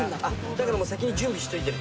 だから先に準備しといて。